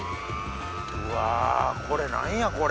うわこれ何やこれ。